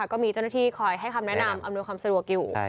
ก็มีเจ้าหน้าที่คอยให้คำแนะนำอำนวยความสะดวกอยู่